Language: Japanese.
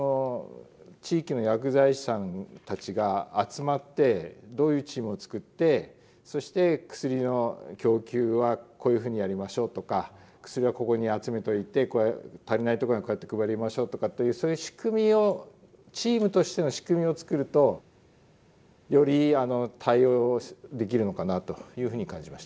地域の薬剤師さんたちが集まってどういうチームを作ってそして薬の供給はこういうふうにやりましょうとか薬はここに集めといて足りないとこにはこうやって配りましょうとかというそういう仕組みをチームとしての仕組みを作るとより対応できるのかなというふうに感じました。